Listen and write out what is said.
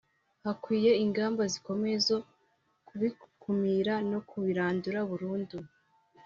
hakwiye ingamba zikomeye zo kubikumira no kubirandura burundu